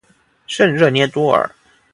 圣热涅多尔。